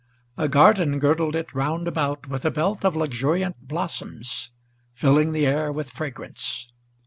A garden Girdled it round about with a belt of luxuriant blossoms, Filling the air with fragrance.